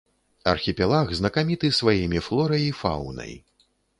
Архіпелаг знакаміты сваімі флорай і фаунай.